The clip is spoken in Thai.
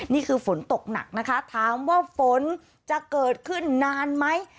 นี่คือฝนตกหนักนะคะถามว่าฝนจะเกิดขึ้นนานไหม